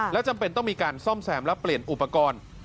และจำเป็นต้องมีการซ่อมแซมและเปลี่ยนอุปกรณ์